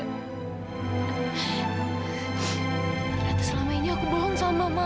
ternyata selama ini aku bohong sama mama